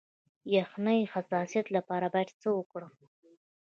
د یخنۍ د حساسیت لپاره باید څه وکړم؟